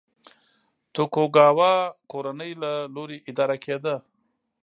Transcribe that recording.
توکوګاوا کورنۍ له لوري اداره کېده.